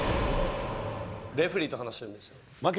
レフェリーと話しているんですよ。